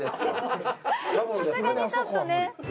さすがにちょっとね。